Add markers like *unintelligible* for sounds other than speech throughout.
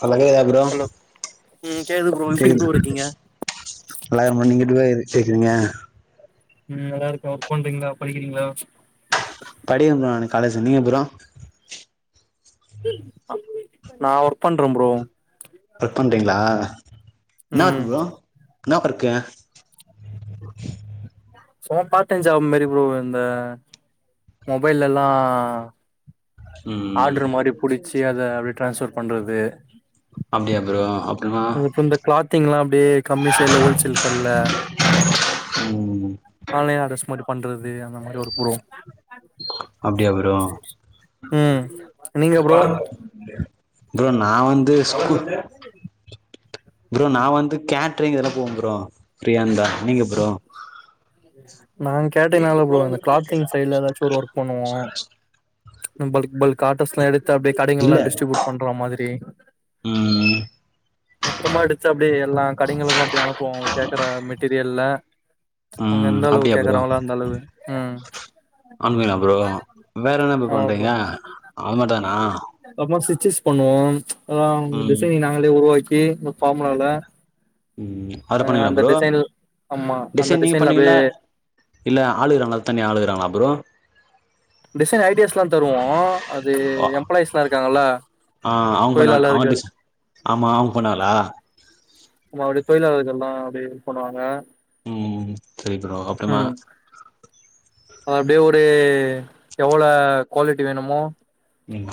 hello கேக்குதா bro hello ம் கேக்குது ப்ரோ எப்டி ப்ரோ இருக்கீங்க எல்லாரு முன்னாடியு நெகட்டிவ எதுக்கு பேசுறீங்க உம் நல்லா இருக்கே ஒர்க் பண்றீங்களா படிக்கிறீங்களா படிக்கிற ப்ரோ நானு காலேஜ் நீங்க ப்ரோ நா ஒர்க் பண்ற ப்ரோ ஒர்க் பண்றீங்களா என்ன ஒர்க் ம் ப்ரோ ஏன்னா ஒர்க்கா சும்மா பார்ட் டைம் ஜாப் மாரி ப்ரோ அந்த மொபைல்ல ம் ஆர்டரு மாரி புடிச்சு அத அப்டி டிரான்ஸ்ஃபர் பண்றது அப்டியா ப்ரோ அப் அது இப்ப இந்த க்ளோதிங்ளா அப்டியே கம்மி சேல்ளா ஹோல்சேல் கடல ம் ஆன்லைன்ன டிரஸ் மாரி பண்றது அப்டியே அந்த மாரி வரு ப்ரோ அப்டியா ப்ரோ உம் ப்ரோ நா வந்து ஸ்கூ ப்ரோ நா வந்து கேட்ரிங் இதுல போவ ப்ரோ ஃப்ரீயா இருந்தா நீங்க ப்ரோ நா *unintelligible* நல்லா போடுவா இந்த க்ளோதிங் சைட்ல ஏதாச்சு ஒரு ஒர்க் பண்ணுவோ பல்க் பல்க் காட்டஸ்லா எடுத்து அப்டியே இல்ல கடைங்களா டிஸ்டரிபியூட் பண்ற மாதிரி ம் மொத்தமா எடுத்து அப்டியே எல்லா கடைங்களுக்கு அப்டியே அனுப்புவோ அவங்க கேக்குற மெட்டீரி லா அவங்க ம் எந்த அளவு அப்டியா கேக்குறாங்களா அந்த அளவு உம் ஆன்லைன ப்ரோ வேற என்ன ப்ரோ பண்றீங்க அவ்ளோதானா சேஸ் பண்ணுவோ அ டிசைனிங் நாங்களே உருவாக்கி ஃபார்முலால ம் அதுல ஹ பண்ணீங்களா அந்த ப்ரோ டிசைன் ஆமா அந்த டிசைன் நீங்க டிசைன்ல அப்டியே பண்ணுவிங்கள இல்ல ஆளுகிறாங்களா தனிய ஆளுகிறாங்களா ப்ரோ டிசைன் ஐடியாஸ்ல தருவோ அது எம்ப்ளாயீஸ்ல இருக்காங்களா ஆஹ் அவங்க பண்ண அவங்க டிஸ் ஆமா அவங்க பண்ணுவாளா ஆமா அப்டி தொழிலாளர்கள அப்டியே ஹெல்ப் பண்ணுவாங்க உம் சேரி ப்ரோ அப்புறமா ம் அப்டியே ஒரு எவல குவாலிட்டி வேணுமோ உம்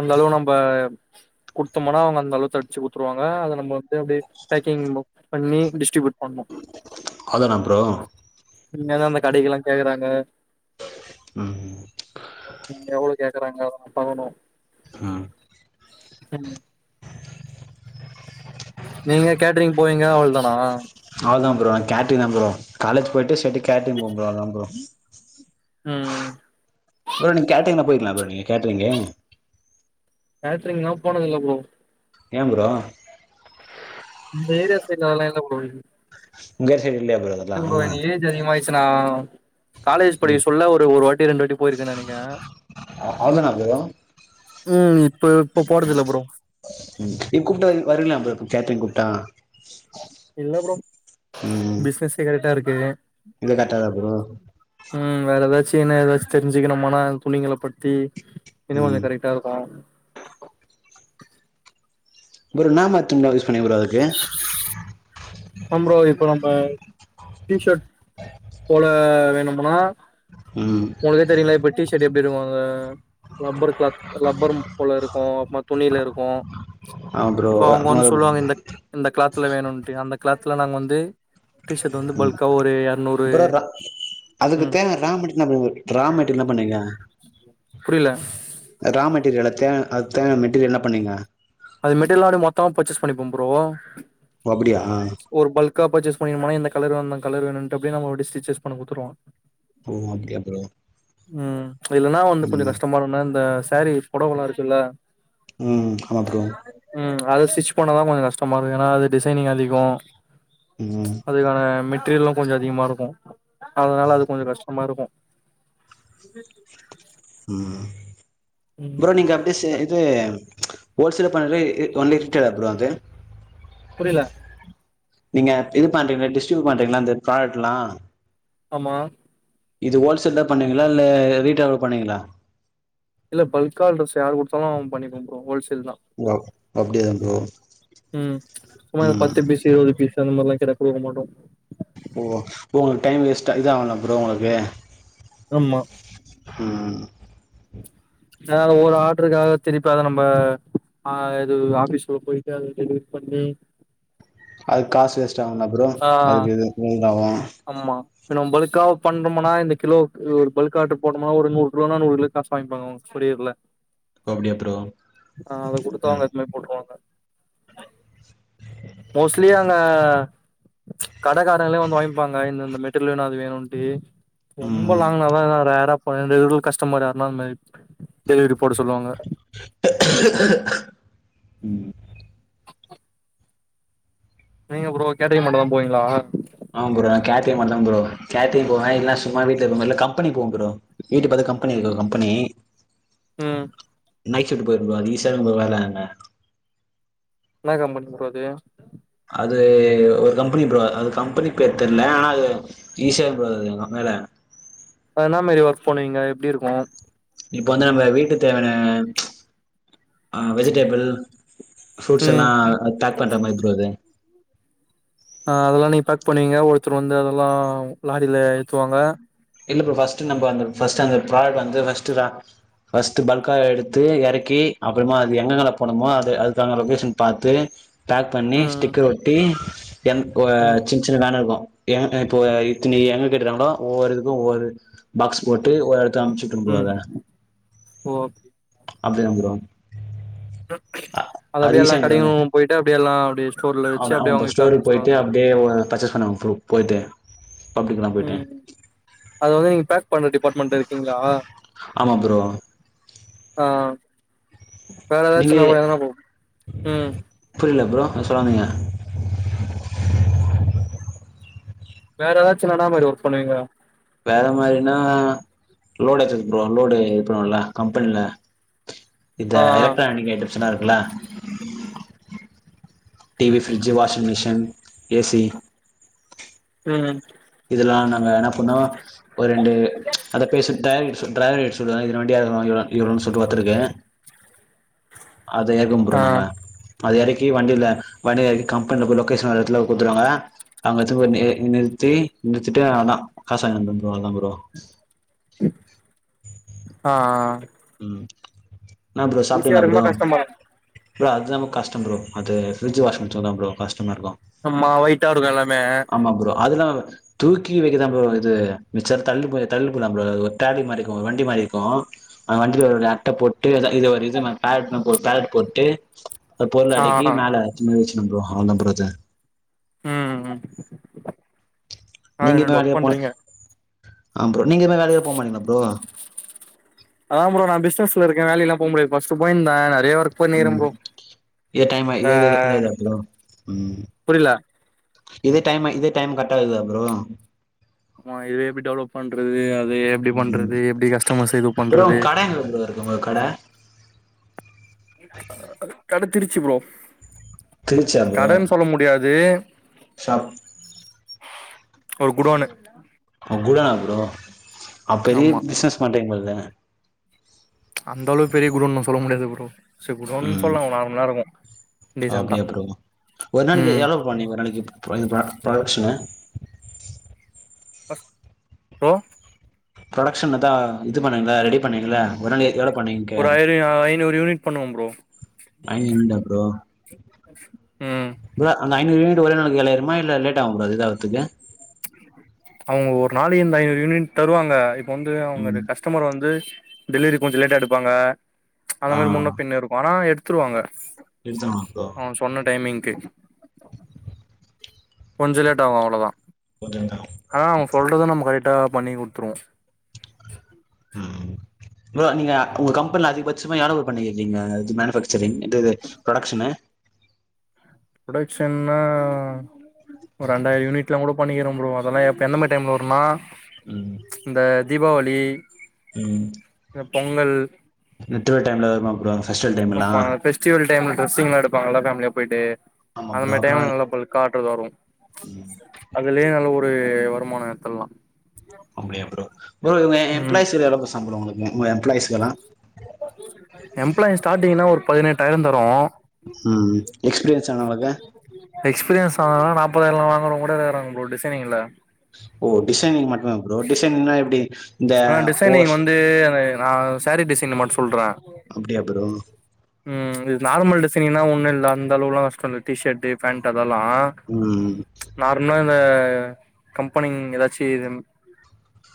அந்த அளவு நம்ப குடுத்தோம்னா அவங்க அந்த அளவுக்கு அடிச்சு குடுத்துருவாங்க அத நம்ம வந்து அப்டியே பேக்கிங் பண்ணி டிஸ்ட்ரிபியூட் பண்ணு அவ்ளோதானா ப்ரோ இந்த மாறித்தா அந்த கடைக்கெல்லா கேக்குறாங்க ம் க்குறாங்க பகனு ம் *unintelligible* நீங்க கேட்டரிங் போவீங்க அவ்ளதானா அவ்ளதா ப்ரோ கேட்ரின் தா ப்ரோ காலேஜ் போயிட்டு செட்டு கேட்ரிங் போகு ப்ரோ அதா ப்ரோ ம் ஒ நீங்க கேட்ரிங்லா போயக்கலா ப்ரோ நீங்க கேட்ரிங்கு கேட்ரிங்லா போனது இல்ல ப்ரோ ஏ ப்ரோ இந்த ஏரியா சைட்ல அலா இல்ல ப்ரோ ல உங்க சைடு இல்லையா அதெல்லா ப்ரோ எனக் ஏஜ் அதிகமாயிடுச்சுனா காலேஜ் படிக சொல்ல ஒரு ஒரு வாட்டி ரெண்டு வாட்டி போயிருக்கே நினக்கே ம் இப்ப போறதில்ல ப்ரோ ம் நீ கூப்ட்டா வர் வருவிங்ளா ப்ரோ கேட்ரிங் கூப்டா இல்ல ப்ரோ பிஸ்னசே கரெடா இருக்கு இது கட்டதா ப்ரோ தின ஏதாச்சு தெரிஞ்சுக்கனுமானா ந் துணிகள பத்தி இன்னு கொஞ்ச ம் கரெக்டா இருக்கு ஒரு நாம *unintelligible* ஆ ப்ரோ இப்ப நம்ப ட்ஷர்ட் போல வேணும்னா ம் ஒங்களுக்கே தெரியுல இப்ப டிஷர்ட் எப் விருவாங்க லப்பர் க்ளாத் லப்பர் போல இருக்கு அப்மா துணில இருக்கு ச் ஆமா ப்ரோ இப்ப அவுங்க வந்து அப்புறம் சொல்லுவாங்க இந்த இந்த க்ளாத்துல வேணுன்ட்டு அந்த க்ளாத்துல நாங்க வந்து டிஷர்ட் வந்து பல்க்கா ஒரு எறனூறு ப்ரோ ம் *unintelligible* த்ரா மெட்டீரியல்லா பண்ணேங்க புரில ரா மெட்டீரியல் எல்லாதே அத் தே மெட்டீரியல் என்ன பண்ணீங்க அது மெட்டிரியளோட மொத்தமா பர்சஸ் பண்ணிப்பே ப்ரோ ஓ அப்படியா ஒரு பல் கா பர்ச்சேஸ் பண்ணிணுபோனா எந்த கலரோ அந்த கலர் வேணுண்டு அப்டியே நம்ம ஒரு டி ஸ்டிச்சஸ் பண்ண குடுத்துருவோ ஓ அப்டியா ப்ரோ ம் ச் இல்லனா வந்து கொஞ்ச ம் கஷ்டமறுனா இந்த சேரீ புடவலா இருக்குல்ல ம் ஆமா ப்ரோ ம் அது ஸ்டிச் பண்ணதா கொஞ்ச கஷ்டமா இருக்கு ஏனா அது டிசைனிங் அதிகோ ம் அதுக்கான மெட்டிரியலு கொஞ்ச அதிகமா இருக்கு அதனால அது கொஞ்ச கஷ்டமா இருக்கு ம் ம் ப்ரோ நீங்க அப்டியே சே இது ச் ஹோல்சேல பண்ரி ஒன்லி ரிட்டேளா ப்ரோ அது புரில நீங்க இது பண்றீங்கள டிஸ்ட்ரிபியூட் பண்றீங்கள அந்த ப்ராடக்ட்லா ஆமா இது ஹோல்சேல் தா பண்ணுவீங்ளா இல்ல ரீட்டேலா பண்ணுவீங்ளா இல்ல பல்கா அல்ட்ரஸ் யாரு குடுத்தாலு அவு பண்ணி குத்ருவோ ஹோல்ஸ் இதுதா ஓ அப்படியா ப்ரோ ம் ச் சும்மா அ ம் பத்து பீசு இருவது பீஸ் அந்த மாரிலா கேட்டா குடுக்க மாட்டோ ஓ ஓ ஒங்களுக் டைம் வேஸ்டா இத ஆவுல ப்ரோ ஒங்களுக்கு ஆமா ம் எதாது ஒரு ஆட்றுக்காக திருப்பி அத நம்ப ஆ இது ஆபிஸ்குல போயிட்டு அத இது பண்ணி அதுக் காசு வேஸ்ட் ஆகுல ப்ரோ ஆ அதுக்கு இது *unintelligible* பண்றோமன்னா இந்த கிலோகு ஒரு பல்க் ஆர்டர் போடும்மோ ஒரு நூறு கிலோனா நூறு கிலோ காசு வாங்கிப்பாங்க அவங்க கொரியர்ல ஓ அப்டியா ப்ரோ ஆ அத கொடுத்தா அவங்க எப்பவுமே போட்ருவாங்க மோஸ்ட்லி அங்க கடக்காரங்களே வந்து வாங்கிப்பாங்க இந்தந்த மெட்டிரியலு அது வேணும்ட்டு ரொம்ப ம் லாங்னால தான் நா ரேரா போனா ரெகுலர் கஸ்டமர் யாருன்னா அந்த மாரி டெலிவரி போட சொல்லுவாங்க ம் நீங்க ப்ரோ கெட்டரிங் மட்டுதா போவீங்களா அ ப்ரோ கேட்ரிங் மட்டுதா ப்ரோ கேட்ரிங் போவே இல்லனா சும்மா வீட்ல இருப்பே கம்பெனி போவே ப்ரோ வீட்டு பக்கத் கம் கம்பெனி இருக்கு ஒரு கம்பெனி ம் நைட் ஷிப்ட்டு போயிருவே ப்ரோ அது ஈஸியா இருக்கு வேல அங்க என்ன கம்பனி ப்ரோ அது அது ஒரு கம்பனி ப்ரோ அது கம்பனி பேரு தெர்ல ஆனா அது ஈஸியா ப்ரோ அது வேல ஆ... என்னா மாரி ஒர்க் பண்ணுவீங்க எப்டி இருக்கு இப்ப வந்து நம்ப வீட்டு தேவயான வெஜிடேபிள் ஃப்ரூட்ஸ் எல்லா ம் பேக் பண்ற மாரி ப்ரோ அது ஆ அதெல்லா நீங்க பேக் பண்ணுவீங்க ஒருத்தர் வந்து அதெல்லா லாரில ஏத்துவாங்க இல்ல ப்ரோ ஃபஸ்ட் நம்ம அந்த ஃபஸ்ட் அந்த ப்ராடு அந்த ஃபஸ்டுரா பஸ்ட்டு பல்கா எடுத்து எறக்கி அப்றமா அது எங்கங்கல்லா போனுமோ அது அதுதகுந்த லொகேஷன் பாத்து பேக் பண்ணி ம் ஸ்டிக்கர் ஒட்டி என் ஒ ம் சின் சின்ன வேல இருக்கு எ இப்போ இதின்னி எங்க கேட்டுருக்காங்களோ ஒவ்வொருதுக்கு ஒவ்வொரு பாக்ஸ் போட்டு ஓர் த்த அமச்சுவுற்றுவோ ம் ப்ரோ ம் அத ஓ அப்டி தா ப்ரோ அது அப்டியே எல்லா கடையு போயிட்டு அப்டியேல்லா அப்டி அ அ பஸ்டோருக்கு போயிட்டு அப்டியே ஓ பச்சஸ் பண்ணுவே ப்ரோ போய்ட்டு *unintelligible* போய்ட்டே அத வந்து நீங்க பேக் பண்ற டிபார்ட்மெண்ட்ல இருக்கீங்களா ஆமா ப்ரோ ஆ வேற நீங்க ஏதாச்சு ந போய் எதுனா போகு ம் புரியல ப்ரோ எதோ சொல்ல வந்தீங்க வேற ஏதாச்சு என்னன்ன மாரி ஒர்க் பண்ணுவீங்க வேற மாரினா லோடு ஏத்துறது ப்ரோ லோடு ஏத்துறோம்ல்ல கம்பனில இத ஆ ஆ எலக்ட்ரானிக் ஐட்டம்ஸ்ல்லா இருக்குல TV fridge washing machine AC ம் இதெல்லா நாங்க என்ன பண்ணுவோ ஒரு ரெண்டு அத பேசிக் தயாரிக்க சொ டிரைவர்கிட்ட சொல்லுவே இத்தன வண்டி அவளோ இவலோ இவலோன்னு சொல்ட்டு ஒருத்தனுக்கு அத ஏக்கோ ப்ரோ ஆ நாங்க அத இறக்கி வண்டில வண்டில இறக்கி கம்பென்ல்ல போய் லொக்கேஷன் வர்ற எடத்துல குடுத்துருவாங்க அங்க எத்துனு போய் நிறுத்தி நிர்திட்டு அதா காச வாங்கிந்துருவே ப்ரோ அதா ப்ரோ ஆ ஆ என்னா ப்ரோ சாப்ட்டீங்களா ப்ரோ இருக்குமா கஷ்டமா இல்ல அது நம்ம கஷ்டம் ப்ரோ அது பிரிட்ஜ் வாஷிங் மெஷின் தா ப்ரோ கஷ்டமா இருக்கு அம்மா *unintelligible* ஆமா ப்ரோ அதுல்லா தூக்கி வைக்கதா ப்ரோ அது மிச்ச தல்ட்டு பொய் தல்ட்டு பொய்லா ப்ரோ ஒரு ட்ராலி மாரிருக்கு ஒரு வண்டி மாரிருக்கு அந்த வண்டில ஒருவழிய அட்ட போட்டு இது ஒரு இது மாரி பேலட்னு பேலட் போட்டு அத பொருள ஆ அடிக்கி ஆ மேலே வச்சுன்னு ப்ரோ அவ்ளதா *unintelligible* ம் ம் ஆ நீங்க என்னோட எது ஒர்க் வேலையா போல பண்ரீங்க ஆ ப்ரோ நீங்க எதுமே வேலையா போ மாட்டீங்களா ப்ரோ ஆ ப்ரோ நான் பிசினஸ்ல இருக்கே வேலைல்லா போமுடியாது பஸ்டுபாயிண்ட் நா நிறைய ஒர்க் பண்ணிர்ற ப்ரோ இத டைமா இந்த இத இத இத இத இத ம் ம் புரில இந்த டைமு இந்த டைம் கர்ட்டாகிதா ப்ரோ மா இது எப்டி டெவ்லப் பண்றது அது எப்டி ம் பண்றது எப்டி கஸ்டமர்ஸ் இது பண்றது எங்கருக்கு உங்க கட கடைச்சிருச்சி ப்ரோ திருச்சியா ப்ரோ கடன் சொல்ல முடியாது ஷாப் ஓ குடோனு குடோனா ப்ரோ அப் பெரிய ஆமா பிசினஸ் பண்றீங்கல்ல அந்தளவுக் பெரிய குடோனுன்னு சொல்ல முடியாது ப்ரோ செ குடோன்னு சொல்லாங்க நார்மலாருக்கூ ஓ அப்டியா ப்ரோ ஒரு நாளிக்கி ம் எவ்ளோ பண்ணுவீங்க ஒரு நாளிக்கி இது ப புரொடக்ஷனு ஃபஸ்ட் ஓ ப்ரொடக்ஷனத்தா இது பண்ணீங்கலே ரெடி பண்ணீங்கலே ஒரே நைட்ல எவ்ளோ பண்ணீங்கன் ஒரு கேகுறே ஐ ஐநூறு யூனிட் பண்ணுவோம் ப்ரோ அஞ்சியூனிட்டா ப்ரோ ம் ப்ரோ அந்த ஐநூறு யூனிட்டு ஒரே நாள்ல காலியாயிருமா இல்ல லேட் ஆகுமா அது இதாவத்துக்கு அவுங்க ஒரு நாளிக்கி இந்த ஐநூறு யூனிட் தருவாங்க இப்ப வந்து ம் அவுங்களுக் கஸ்டமர் வந்து டெலிவரி கொஞ்சோ லேட்டா எடுப்பாங்க அந்த ஆ மாரி முன்ன பின்ன இருக்கூ ஆனா எடுத்துருவாங்க எடுத்துக்கலா ப்ரோ அவுங் சொன்ன டைமிங்க்கு கொஞ்ச லேட்டாவு அவ்ளதா கொஞ்சோ இதாகு ஆனா அவுங் சொல்றத நம் கரெடா பண்ணி குத்துருவோ ம் ப்ரோ நீங்க உங்க கம்பென்ல அதிக்பட்சமா எவ்ள ப்ரோ பண்ணி இருக்கீங்க இது மேனுஃபேக்ச் சிரிங் இதுது புரொடக்ஷ்னு புரொடக்ஷ்ன்னா ஒரு ரெண்டாயிரோ யூனிட்லா கூட பண்ணிகிற ப்ரோ அதெல்லா எப் எந்த மாரி டைம்ல வருனா ம் தீபாவளி ம் இந்த பொங்கல் நெட்டுவ டைம்ல வருமா ப்ரோ ஃபெஸ்டிவல் டைம்லா ஆமா பெஸ்டிவல் டைம்ல ட்ரஸ்ஸிங்லா எடுப்பாங்கல்ல ஃபேமிலியா போயிட்டு ஆமா அந்த ப்ரோ மாரி அப்றோ டைம்ல நல்ல பல்கா ட்ர் வரூ அதுலயே நல்ல ஒரு வருமானோ எடுத்துல்லா அப்டியா ப்ரோ ப்ரோ இவங்க ம் எம்ப்ளாயிஸு *unintelligible* சம்ப்ளோ உங்கக்கு உங்க எம்ப்ளாயிஸ்கெலா எம்ப்ளாயிஸ் ஸ்டார்டிங்னா ஒரு பதினெட்டாயிரோ தரோ ம் எக்ஸ்பீரியன் எக்ஸ்பீரியன்ஸ் ஆனவங்கலா நாப்பதாயிரலா வாங்குறவுங்க கூட இருக்காங்க ப்ரோ டிசைனிங்ல ஓ டிசைனிங் மட்டுமா ப்ரோ டிசைனிங்னா எப்டி இந்த ஆனா டிசைனிங் ஓஸ் வந்து ஆ சாரீ டிசைனிங் மட் சொல்றே அப்டியா ப்ரோ ம் இது நார்மல் டிசைனிங் லா ஒன்னுல்ல அந்தளவுலாஷ்டோ அந்த டி ஷர்ட்டு ஃபேண்டு அ தெல்லா ம் நார்மல் வ கம்பெனிங் ஏதாச்சி ம்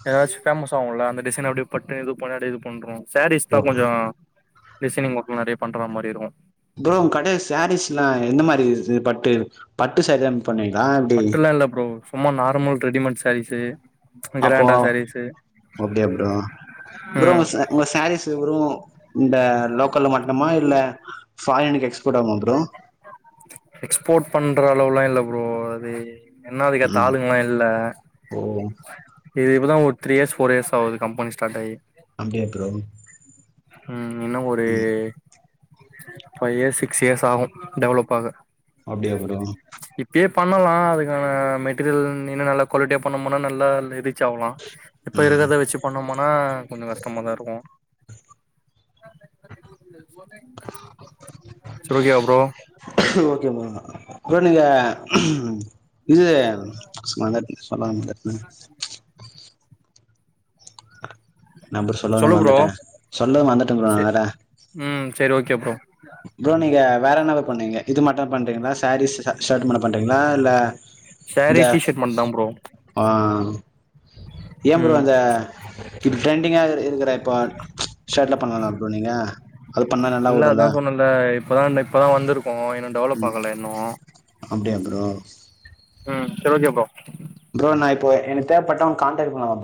எதாச் ஃபேமஸ் ஆவூல அந்த டிசைன் அப்டியே பட்டு இது பண்ண அப்டியே இது பண்றோ சாரீஸ்தா ஓ கொஞ்சோ டிசைனிங் ஒர்க்லா நறைய பண்ற மாரி இருக்கூ ப்ரோ உங்க கடைல சாரீஸ்லா எந்த மாரி இர்து பட்டு பட்டு சாரி தாம் பண்ணுவீங்காப்டி ரொம்ப நார்மல் ரெடிமேட் சாரீஸு அப்போ கிராண்டா சாரீஸு அப்டியா ப்ரோ ப்ரோ ம் உங்க ச உங்க சாரீஸு வேறூ இந்த லோக்கல்ல மட்டமா இல்ல ஃபாரினுகு எக்ஸ் எக்ஸ்போர்ட் பண்ற அளவுலா இல்ல ப்ரோ அது என்ன அதுக்கேத்த ம் ஆளூங்கல்லா இல்ல ஓ ஏ இப்பதா ஒரு த்ரி இயர்ஸ் ஃபோர் இயர்ஸ் ஆவுது கம்பனி ஸ்டார்ட் ஆயி அப்டியா ப்ரோ ம் இன்னோ ஒரு ஃபைவ் இயர்ஸ் சிக்ஸ் இயர்ஸ் ஆகு டெவலப் ஆக அப்டியா ப்ரோ இப்பயே பண்ணலா அதுக்கான மெட்டீரியல் இன்னு நல்லா குவாலிட்டியா பண்ணம்முனா நல்லா லிரிக் ச ஆவ்லா இப்ப இருக்கத வெச்சி பண்ணோமனா கொஞ்சோ கஷ்டமாதா‌ இருக்கோ சுவக்கியா ப்ரோ ஓகே ப்ரோ நா ப்ரோ நீங்க இது சும்மாதான் சொல்ல வந்த ம் நா பரு சொல்ல வந்தத சொல்லு ப்ரோ மறந்துட்ட சொல்றத மறந்துட்ட ப்ரோ நா சே வேற ம் சரி ஓகே ப்ரோ ப்ரோ நீங்க வேற என்னவோ பண்ணீங்க இது மட்டு பண்றீங்ளா சேரீஸ் ஷர்ட் மட்டு பண்றீங்ளா இல்ல இந்த சேரீ டி ஷர்ட் மட்டுந்தா ப்ரோ ஆ ஏ ப்ரோ ம் இந்த இப்ப ட்ரெண்டிங்காகருக் இருக்கற இப்போ ஷர்டோ பண்லலா ப்ரோ நீங்க அது பண்ணா நல்லா ஓடுல்ல இப்பதான்டா இப்ப தா வந்துருக்கோ இன்னு டெவலப் ஆகல இன்னு அப்டியா ப்ரோ ம் செரி ஓகே ப்ரோ ப்ரோ நா இப்போ எனக் தேவப்பட்டா உன்கு காண்டேக்ட் பண்ணவா ப்ரோ